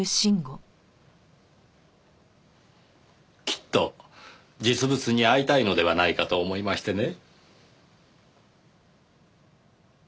きっと実物に会いたいのではないかと思いましてね。